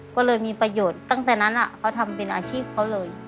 ก็เลยมีประโยชน์ตั้งแต่นั้นเขาทำเป็นอาชีพเขาเลย